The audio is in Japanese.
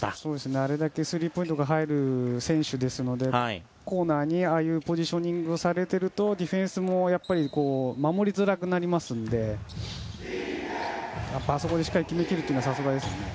あれだけスリーポイントが入る選手ですのでコーナーにああいうポジショニングをされているとディフェンスも守りづらくなりますのであそこでしっかり決めきるのはさすがですね。